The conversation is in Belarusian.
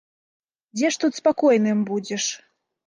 Дзе ж тут спакойным будзеш?